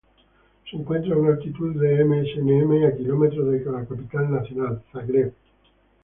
Se encuentra a una altitud de msnm a km de la capital nacional, Zagreb.